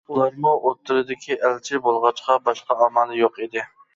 ئۇلارمۇ ئوتتۇرىدىكى ئەلچى بولغاچقا باشقا ئامالى يوق ئىدى.